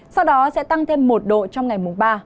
sau đó sẽ tăng thêm một độ trong ngày mùng ba